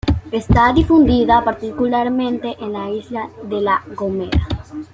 Está difundida particularmente en la isla de la Gomera.